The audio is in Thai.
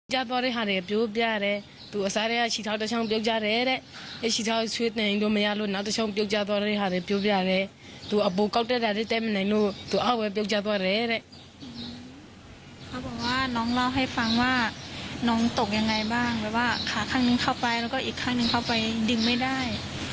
เขาบอกว่าน้องเล่าให้ฟังว่าน้องตกยังไงบ้างแบบว่าขาข้างนึงเข้าไปแล้วก็อีกข้างนึงเข้าไปดึงไม่ได้